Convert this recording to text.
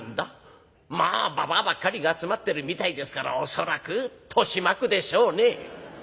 「まあばばあばっかりが集まってるみたいですから恐らく豊島区でしょうね」。